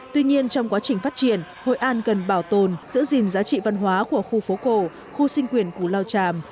tuy nhiên trong quá trình phát triển hội an cần bảo tồn giữ gìn giá trị văn hóa của khu phố cổ khu sinh quyền củ lao tràm